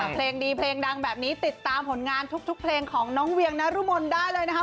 เพลงดีเพลงดังแบบนี้ติดตามผลงานทุกเพลงของน้องเวียงนรมนได้เลยนะคะ